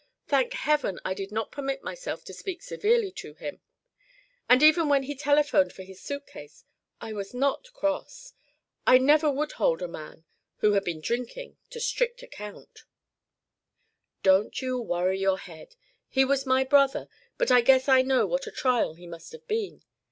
Thank heaven I did not permit myself to speak severely to him, and even when he telephoned for his suit case I was not cross I never would hold a man who had been drinking to strict account " "Don't you worry your head. He was my brother, but I guess I know what a trial he must have been.